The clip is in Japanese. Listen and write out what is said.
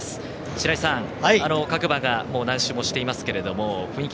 白井さん、各馬が何周もしていますけど雰囲気